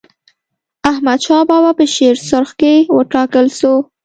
احمدشاه بابا په شیرسرخ کي و ټاکل سو.